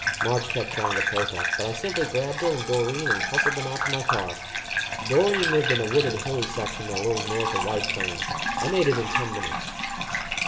Marge kept trying to protest, but I simply grabbed her and Doreen and hustled them out to my car. Doreen lived in a wooded, hilly section a little north of White Plains. I made it in ten minutes.